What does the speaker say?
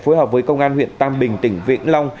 phối hợp với công an huyện tam bình tỉnh vĩnh long